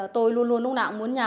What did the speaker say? tôi luôn luôn lúc nào muốn nhà